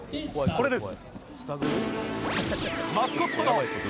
これです。